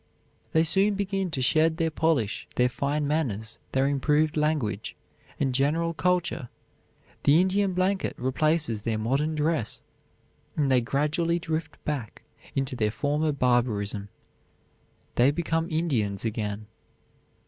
They soon begin to shed their polish, their fine manners, their improved language, and general culture; the Indian blanket replaces their modern dress, and they gradually drift back into their former barbarism. They become Indians again.